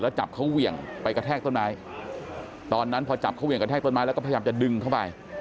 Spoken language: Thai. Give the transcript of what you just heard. แล้วก็พยายามจะดึงเข้าไป